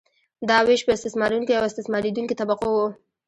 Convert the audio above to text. دا ویش په استثمارونکې او استثماریدونکې طبقو وو.